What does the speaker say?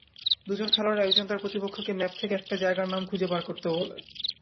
দুজন খেলোয়াড়ের একজন তার প্রতিপক্ষকে ম্যাপ থেকে একটা জায়গার নাম খুঁজে বার করতে বলে।